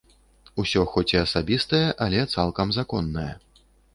Усё хоць і асабістае, але цалкам законнае.